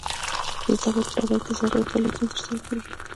د زده کړې په ډګر کې ځانګړي فعالیتونه ترسره کیږي.